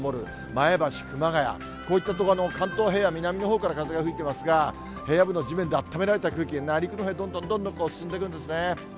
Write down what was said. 前橋、熊谷、こういった所、関東平野、南のほうから風が吹いていますが、平野部の地面であっためられた空気で、内陸のほうへどんどんどんどん進んでくるんですね。